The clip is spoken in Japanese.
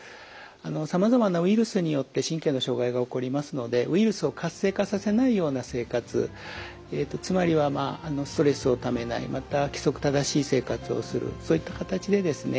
さまざまなウイルスによって神経の障害が起こりますのでウイルスを活性化させないような生活つまりはストレスをためないまた規則正しい生活をするそういった形でですね